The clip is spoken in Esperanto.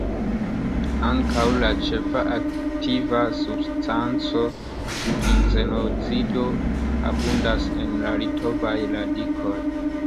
Ankaŭ la ĉefa aktiva substanco, ginzenozido, abundas en la litovaj radikoj.